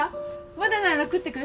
まだなら食っていく？